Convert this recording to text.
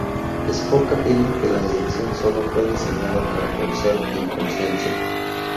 Spock afirma que la inyección sólo fue diseñada para causar inconsciencia.